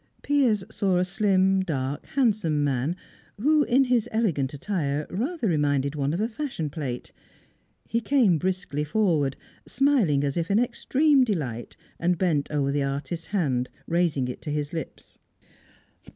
Piers saw a slim, dark, handsome man, who, in his elegant attire, rather reminded one of a fashion plate; he came briskly forward, smiling as if in extreme delight, and bent over the artist's hand, raising it to his lips.